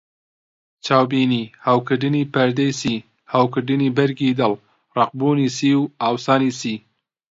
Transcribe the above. چاوبینی: هەوکردنی پەردەی سی، هەوکردنی بەرگی دڵ، ڕەقبوونی سی و ئاوسانی سی.